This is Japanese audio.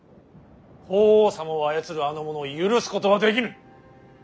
法皇様を操るあの者を許すことはできぬ。